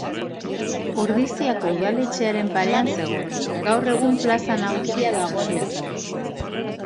Ordiziako udaletxearen parean zegoen, gaur egun Plaza Nagusia dagoen lekuan.